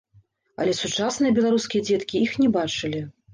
Але сучасныя беларускія дзеткі іх не бачылі.